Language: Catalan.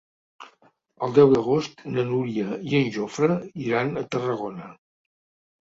El deu d'agost na Núria i en Jofre iran a Tarragona.